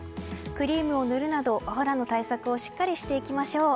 クリームを塗るなど、お肌の対策をしっかりしていきましょう。